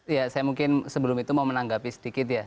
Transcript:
ya saya mungkin sebelum itu mau menanggapi sedikit ya